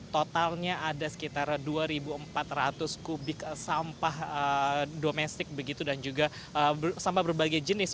totalnya ada sekitar dua empat ratus kubik sampah domestik begitu dan juga sampah berbagai jenis